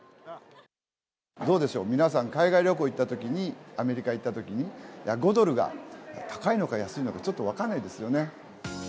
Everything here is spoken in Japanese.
どうでしょう、皆さん、海外旅行行ったときに、アメリカ行ったときに、５ドルが高いのか安いのか、ちょっと分かんないですよね。